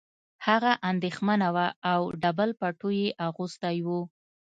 هغه اندېښمنه وه او ډبل پټو یې اغوستی و